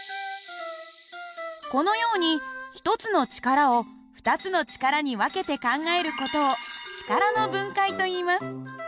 このように１つの力を２つの力に分けて考える事を力の分解といいます。